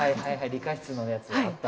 理科室のやつであった。